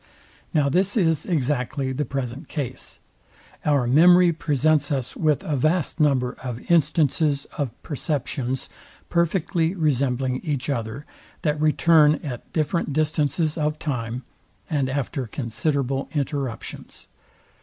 Now this is exactly the present case. Our memory presents us with a vast number of instances of perceptions perfectly resembling each other, that return at different distances of time, and after considerable interruptions.